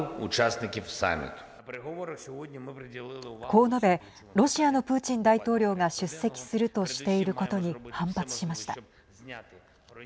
こう述べロシアのプーチン大統領が出席するとしていることに反発しました。